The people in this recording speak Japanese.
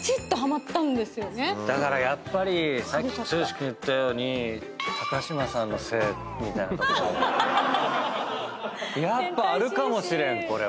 だからやっぱりさっき剛君言ったように嶋さんのせいみたいなところやっぱあるかもしれんこれは。